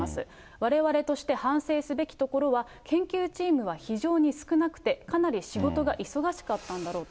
われわれとして反省すべきところは、研究チームは非常に少なくて、かなり仕事が忙しかったんだろうと。